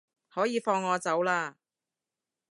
可以放我走喇